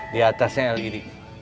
di atasnya lgd